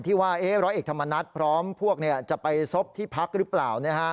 ที่ว่าร้อยเอกธรรมนัฐพร้อมพวกจะไปซบที่พักหรือเปล่า